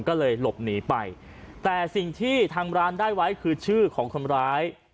ก็เลยหลบหนีไปแต่สิ่งที่ทางร้านได้ไว้คือชื่อของคนร้าย